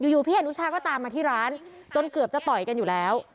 อยู่พี่อนุชาก็ตามมาที่ร้านจนเกือบจะต่อยกันอยู่แล้ว